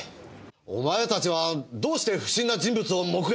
お前たちはどうして不審な人物を目撃してないんだ？